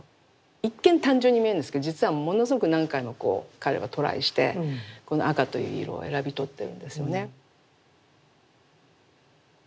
一見単純に見えるんですけど実はものすごく何回も彼はトライしてこの赤という色を選び取ってるんですよね。